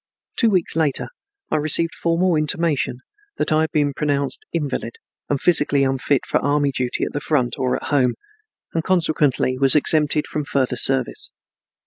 Two weeks later I received formal intimation that I had been pronounced invalid and physically unfit for army duty at the front or at home, and consequently was exempted from further service.